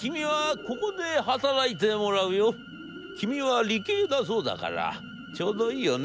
君は理系だそうだからちょうどいいよね』。